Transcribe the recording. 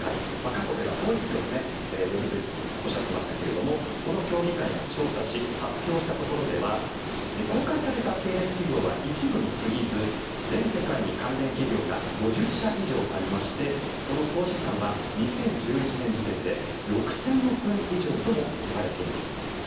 韓国では統一教と呼ぶとおっしゃってましたがこの協議会が調査し発表したところでは公開された系列企業は一部に過ぎず全世界に関連企業が５０社以上ありましてその総資産は２０１１年時点で６０００億円以上とも言われています。